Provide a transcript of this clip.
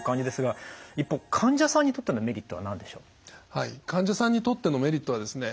はい患者さんにとってのメリットはですね